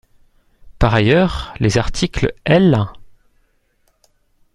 Par ailleurs, les articles L.